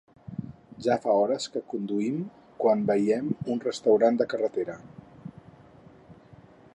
Ja fa hores que conduïm quan veiem un restaurant de carretera.